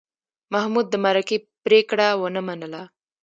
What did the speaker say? محمود د مرکې پرېکړه ونه منله.